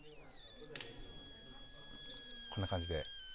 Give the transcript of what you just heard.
こんな感じで。